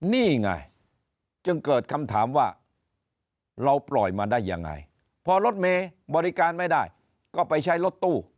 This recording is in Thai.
นี่ไงจึงเกิดคำถามว่าเราปล่อยมาได้ยังไงพอรถเมย์บริการไม่ได้ก็ไปใช้รถตู้